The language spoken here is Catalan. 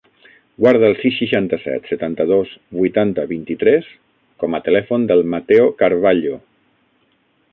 Guarda el sis, seixanta-set, setanta-dos, vuitanta, vint-i-tres com a telèfon del Matteo Carvalho.